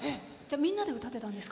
みんなで歌ってたんですか。